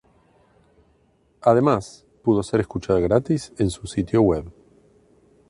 Además, pudo ser escuchada gratis en su sitio web.